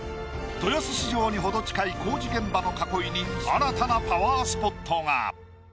豊洲市場に程近い工事現場の囲いに新たなパワースポットが。